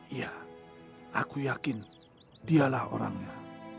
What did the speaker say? iya aku yakin dialah orangnya